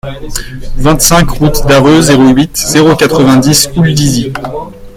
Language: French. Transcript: vingt route d'Arreux, zéro huit, zéro quatre-vingt-dix, Houldizy